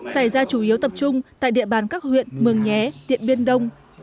xảy ra chủ yếu tập trung tại địa bàn các huyện mường nhé điện biên đông